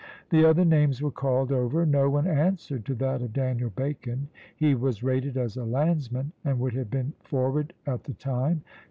The other names were called over. No one answered to that of Daniel Bacon. He was rated as a landsman, and would have been forward at the time.